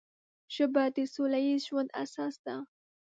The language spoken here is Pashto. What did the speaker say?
ژبه د سوله ییز ژوند اساس ده